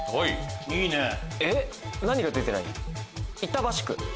いいね！